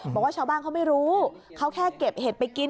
บอกว่าชาวบ้านเขาไม่รู้เขาแค่เก็บเห็ดไปกิน